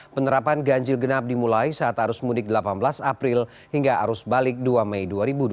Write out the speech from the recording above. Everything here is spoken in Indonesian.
penerapan ganjil genap dimulai saat arus mudik delapan belas april hingga arus balik dua mei dua ribu dua puluh